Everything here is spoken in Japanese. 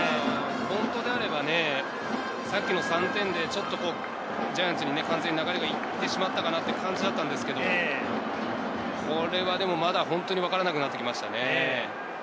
本当であれば、先ほどの３点でジャイアンツに完全に流れが行ってしまったかなという感じだったんですけど、これはまだ本当にわからなくなってきましたね。